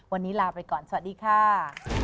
วันนี้ลาไปก่อนสวัสดีค่ะ